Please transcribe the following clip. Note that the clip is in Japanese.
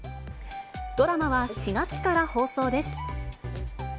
ドラマは４月から放送です。